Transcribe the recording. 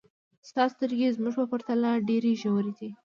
ستا سترګې زموږ په پرتله ډېرې ژورې دي.